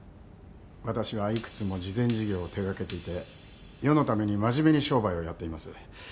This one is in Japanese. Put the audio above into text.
私は幾つも慈善事業を手掛けていて世のために真面目に商売をやっています。